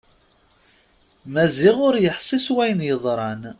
Maziɣ ur yeḥsi s wayen yeḍran.